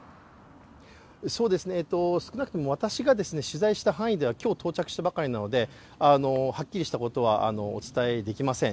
少なくとも私が取材した範囲では、今日到着したばかりなのではっきりしたことはお伝えできません。